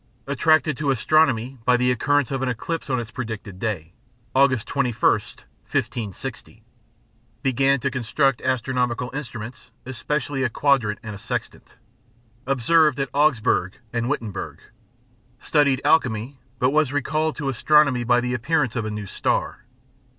Attracted to astronomy by the occurrence of an eclipse on its predicted day, August 21st, 1560. Began to construct astronomical instruments, especially a quadrant and a sextant. Observed at Augsburg and Wittenberg. Studied alchemy, but was recalled to astronomy by the appearance of a new star.